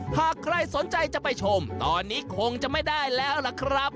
หากใครสนใจจะไปชมตอนนี้คงจะไม่ได้แล้วล่ะครับ